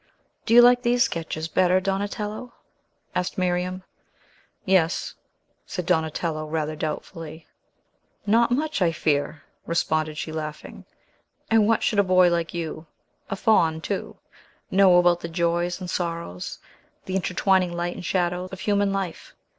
"Do you like these sketches better, Donatello?" asked Miriam. "Yes," said Donatello rather doubtfully. "Not much, I fear," responded she, laughing. "And what should a boy like you a Faun too, know about the joys and sorrows, the intertwining light and shadow, of human life?